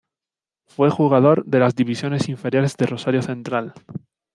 Fue jugador de las divisiones inferiores de Rosario Central.